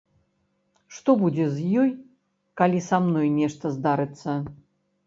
Што будзе з ёй, калі са мной нешта здарыцца?